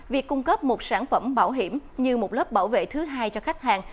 việc cung cấp một sản phẩm bảo hiểm như một lớp bảo vệ thứ hai cho khách hàng